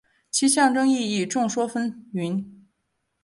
其象征意义众说纷纭。